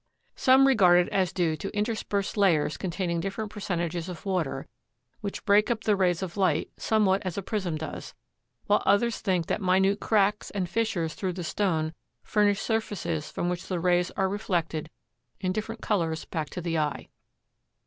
Some regard it as due to interspersed layers containing different percentages of water, which break up the rays of light somewhat as a prism does, while others think that minute cracks and fissures through the stone furnish surfaces from which the rays are reflected in different colors back to the eye.